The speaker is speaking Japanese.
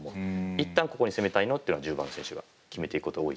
一旦ここに攻めたいのというのは１０番の選手が決めていくことが多いです。